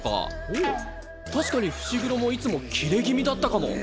おっ確かに伏黒もいつもキレ気味だったかも。